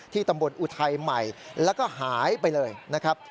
ตำบลอุทัยใหม่แล้วก็หายไปเลยนะครับ